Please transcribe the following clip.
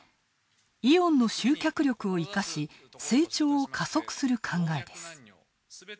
イオンの集客力を生かし、成長を加速する考えです。